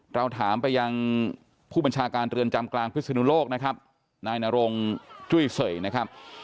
เราถามไปยังผู้บัญชาการเรือนจำกลางพิศนุโลกนะครับนายนรงจุ้ยเสยนะครับ